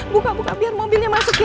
buka buka biar mobilnya masuk ya